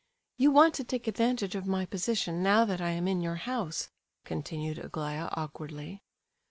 "You want to take advantage of my position, now that I am in your house," continued Aglaya, awkwardly.